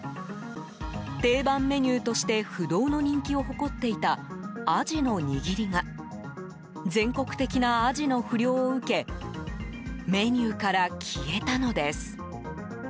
定番メニューとして不動の人気を誇っていたアジの握りが全国的なアジの不漁を受けメニューから消えたのです。